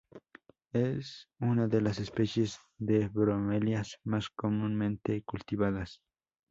Es una de las especies de bromelias más comúnmente cultivadas.